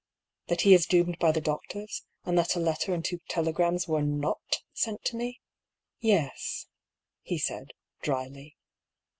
" That he is doomed by the doctors, and that a letter and two telegrams were not sent to me? Yes," he said, dryly.